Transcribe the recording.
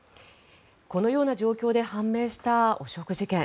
このような状況で判明した汚職事件。